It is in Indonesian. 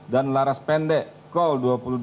dan laras pendek col dua puluh dua